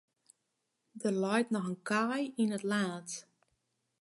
Der leit noch in kaai yn it laad.